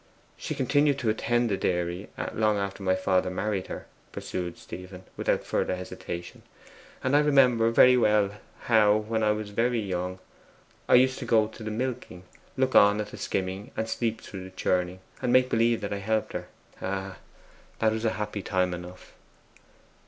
'She continued to attend to a dairy long after my father married her,' pursued Stephen, without further hesitation. 'And I remember very well how, when I was very young, I used to go to the milking, look on at the skimming, sleep through the churning, and make believe I helped her. Ah, that was a happy time enough!